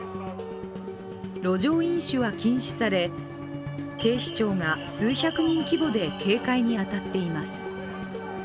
路上飲酒は禁止され警視庁が数百人規模で警戒に当たっています。